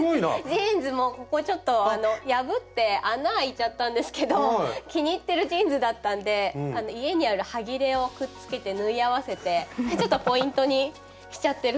ジーンズもここちょっと破って穴開いちゃったんですけど気に入ってるジーンズだったんで家にあるはぎれをくっつけて縫い合わせてちょっとポイントにしちゃってるんです。